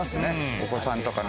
お子さんとかの。